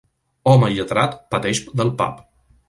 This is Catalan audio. Home lletrat pateix del pap.